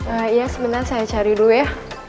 eee iya sebentar saya cari dulu ya